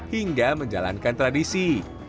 hingga menjalankan tradisi